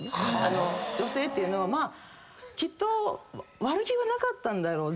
女性っていうのはきっと悪気はなかったんだろう。